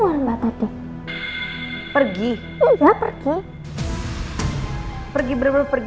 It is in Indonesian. kok ahmad masih nanti ga keluar